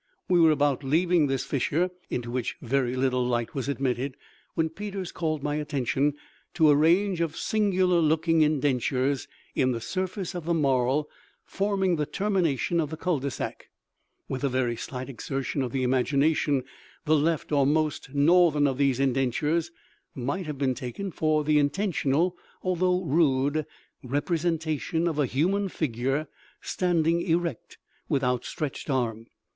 We were about leaving this fissure, into which very little light was admitted, when Peters called my attention to a range of singular looking indentures in the surface of the marl forming the termination of the cul de sac. With a very slight exertion of the imagination, the left, or most northern of these indentures might have been taken for the intentional, although rude, representation of a human figure standing erect, with outstretched arm.